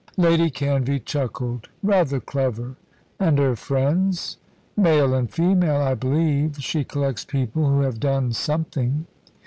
Lady Canvey chuckled. "Rather clever. And her friends ?" "Male and female, I believe. She collects people who have done something."